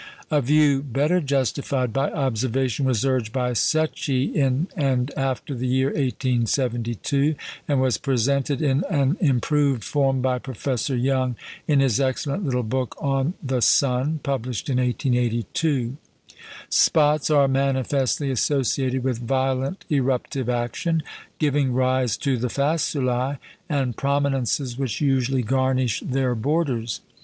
A view better justified by observation was urged by Secchi in and after the year 1872, and was presented in an improved form by Professor Young in his excellent little book on The Sun, published in 1882. Spots are manifestly associated with violent eruptive action, giving rise to the faculæ and prominences which usually garnish their borders.